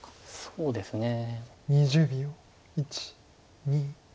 そうですね。